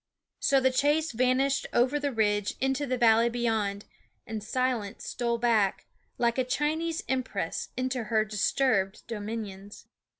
So the chase vanished over the ridge into the valley beyond; and silence stole back, like a Chinese empress, into her disturbed dominions.